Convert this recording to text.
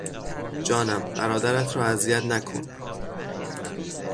جانم، برادرت را اذیت نکن!